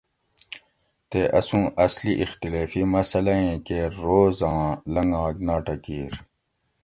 تے اسوں اصلی اختیلیفی مسلۂ ایں کیر روز آں لنگاگ ناٹہ کِیر